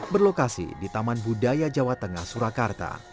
berlokasi di taman budaya jawa tengah surakarta